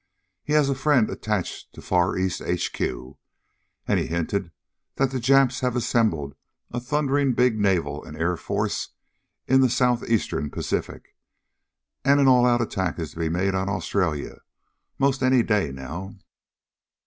He has a friend attached to Far East H.Q., and he hinted that the Japs have assembled a thundering big naval and air force in the Southeastern Pacific. And an all out attack is to be made on Australia 'most any day now."